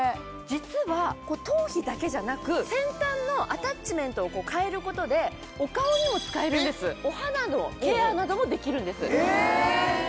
実は頭皮だけじゃなく先端のアタッチメントを変えることでお顔にも使えるんですお肌のケアなどもできるんです。え！